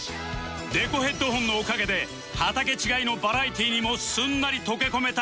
デコヘッドフォンのおかげで畑違いのバラエティーにもすんなり溶け込めた ＫＯＯ さん